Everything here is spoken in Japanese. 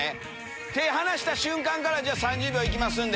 手離した瞬間から３０秒行きますんで。